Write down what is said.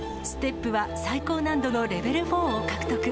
ステップは最高難度のレベルフォーを獲得。